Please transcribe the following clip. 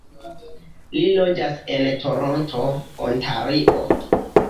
Li loĝas en Toronto, Ontario.